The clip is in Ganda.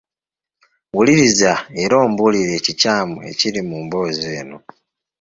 Wuliriza era ombuulire ekikyamu ekiri mu mboozi eno.